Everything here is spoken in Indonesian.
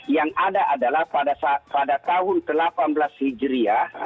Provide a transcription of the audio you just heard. yang ada adalah pada tahun ke delapan belas hijriah